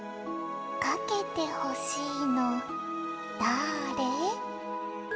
「かけてほしいのだあれ」